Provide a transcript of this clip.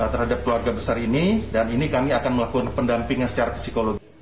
terhadap keluarga besar ini dan ini kami akan melakukan pendampingan secara psikologi